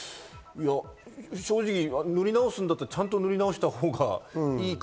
正直、塗り直すんだったら、ちゃんと塗り直したほうが。